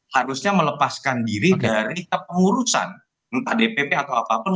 harusnya melepaskan diri dari kepengurusan entah dpp atau apapun